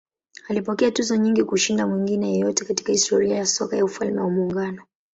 Alipokea tuzo nyingi kushinda mwingine yeyote katika historia ya soka ya Ufalme wa Muungano.